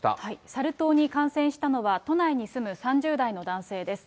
サル痘に感染したのは、都内に住む３０代の男性です。